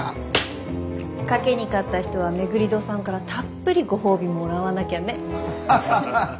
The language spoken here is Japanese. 賭けに勝った人は廻戸さんからたっぷりご褒美もらわなきゃね。